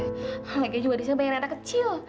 kayaknya juga disini bayangin anak kecil